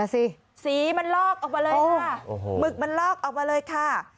สีสีมันลอกออกมาเลยค่ะโอ้โหหมึกมันลอกออกมาเลยค่ะ